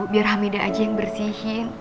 biar hamida aja yang bersihin